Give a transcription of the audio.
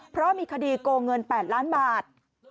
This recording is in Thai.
เพราะมีคดีโกงเงิน๘ล้านบาท